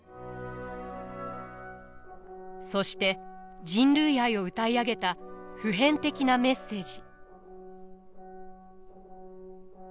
そして人類愛をうたい上げた普遍的なメッセージ。